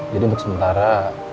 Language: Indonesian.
jadi untuk sementara